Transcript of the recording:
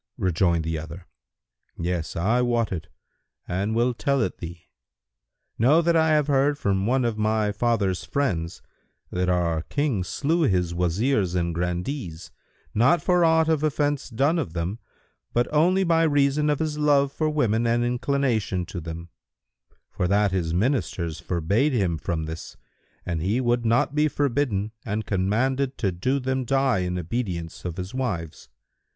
Rejoined the other, "Yes, I wot it and will tell it thee. Know that I have heard from one of my father's friends that our King slew his Wazirs and Grandees, not for aught of offence done of them, but only by reason of his love for women and inclination to them; for that his Ministers forbade him from this, but he would not be forbidden and commanded to do them die in obedience to his wives.